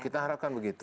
kita harapkan begitu